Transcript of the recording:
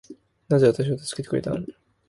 なぜ私を助けてくれたの